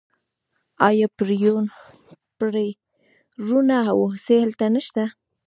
آیا پریړونه او هوسۍ هلته نشته؟